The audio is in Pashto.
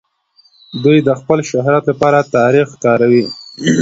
دوی د خپل شهرت لپاره تاريخ کاروي.